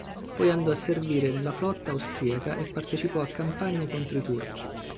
Poi andò a servire nella flotta austriaca e partecipò a campagne contro i turchi.